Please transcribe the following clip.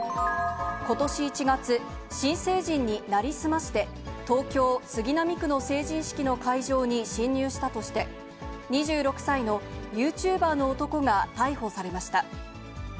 ことし１月、新成人に成り済まして、東京・杉並区の成人式の会場に侵入したとして、２６歳のユーチューバーの男が逮捕されました。